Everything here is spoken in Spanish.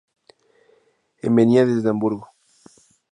Y venia desde Hamburgo.